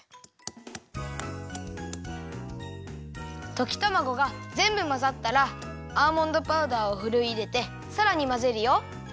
ときたまごがぜんぶまざったらアーモンドパウダーをふるいいれてさらにまぜるよ。